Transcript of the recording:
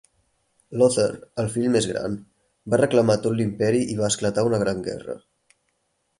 Lothar, el fill més gran, va reclamar tot l'imperi i va esclatar una gran guerra.